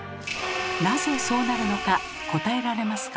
なぜそうなるのか答えられますか？